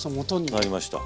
なりました。